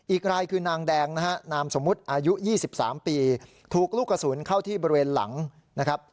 อีกรายคือนางแดงนะฮะนามสมมุติอายุ๒๓ปีถูกลูกกระสุนเข้าที่บริเวณหลังนะครับ